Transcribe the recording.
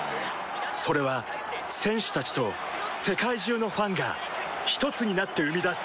それは選手たちと世界中のファンがひとつになって生み出す